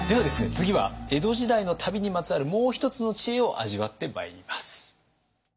次は江戸時代の旅にまつわるもう一つの知恵を味わってまいります。